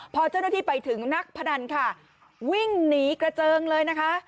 พอเจ้าหน้าที่ไปถึงนักพนันค่ะวิ่งหนีกระเจิงเลยนะคะ